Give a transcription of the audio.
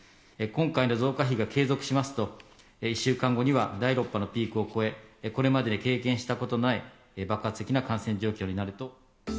今回の増加比が継続しますと、１週間後には第６波のピークを越え、これまでに経験したことのない爆発的な感染状況になると。